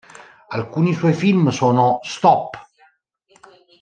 Alcuni suoi film sono "Stop!